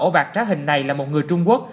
ổ bạc trá hình này là một người trung quốc